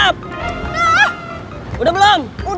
acil jangan kemana mana